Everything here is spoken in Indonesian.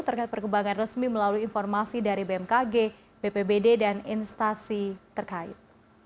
terkait perkembangan resmi melalui informasi dari bmkg bpbd dan instasi terkait